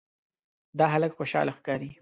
دا هلک خوشاله ښکاري.